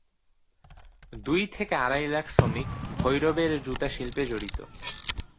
দুই থেকে আড়াই লাখ শ্রমিক ভৈরবের এ জুতা শিল্পে জড়িত।